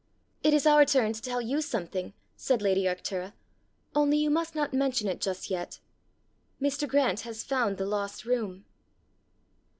"It is our turn to tell you something," said lady Arctura; " only you must not mention it just yet: Mr. Grant has found the lost room!"